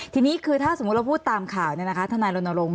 ทีนี้คือถ้าสมมุติเราพูดตามข่าวเนี่ยนะคะธนายรณรงค์